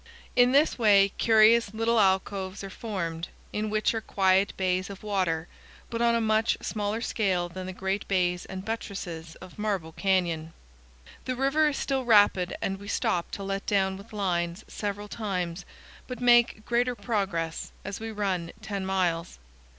In this way curious little alcoves are formed, in which are quiet bays of water, but on a much smaller scale than the great bays and buttresses of Marble Canyon. The river is still rapid and we stop to let down with lines several times, but make greater progress, as we run ten miles.